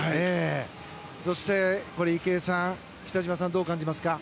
そして池江さん北島さん、どう感じますか？